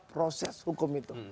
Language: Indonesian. proses hukum itu